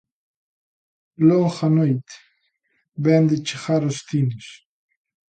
'Longa noite' vén de chegar aos cines.